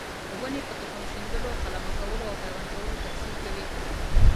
ونې په تخم شیندلو، قلمه کولو او پیوند کولو تکثیر کوي.